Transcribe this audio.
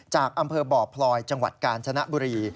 จากอำเภอบ่อพลอยจังหวัดกาญจนบุรี